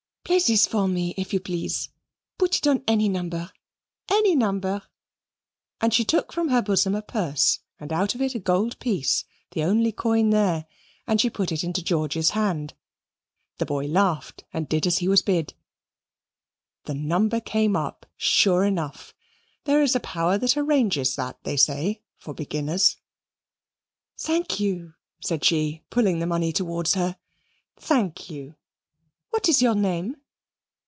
"Play this for me, if you please; put it on any number, any number." And she took from her bosom a purse, and out of it a gold piece, the only coin there, and she put it into George's hand. The boy laughed and did as he was bid. The number came up sure enough. There is a power that arranges that, they say, for beginners. "Thank you," said she, pulling the money towards her, "thank you. What is your name?"